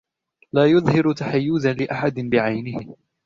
لا يظهر تحيزًا لأحد بعينه.